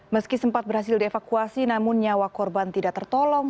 meski sempat berhasil dievakuasi namun nyawa korban tidak tertolong